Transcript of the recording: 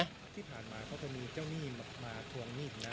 ก็จะมีเจ้าหนี้มาถ่วงนี่อีกนะ